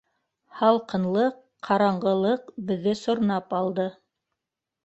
Һалҡынлыҡ, ҡараңғылыҡ беҙҙе сорнап алды.